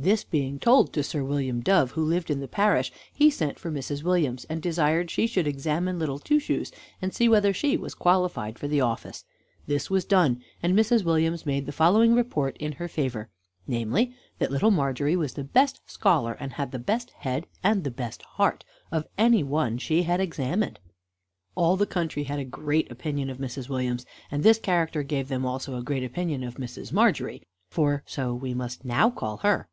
This being told to Sir William Dove, who lived in the parish, he sent for Mrs. Williams, and desired she would examine Little Two Shoes, and see whether she was qualified for the office. This was done, and Mrs. Williams made the following report in her favor, namely, that Little Margery was the best scholar, and had the best head and the best heart of any one she had examined. All the country had a great opinion of Mrs. Williams, and this character gave them also a great opinion of Mrs. Margery, for so we must now call her.